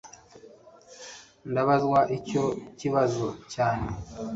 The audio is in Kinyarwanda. ndabazwa icyo kibazo cyane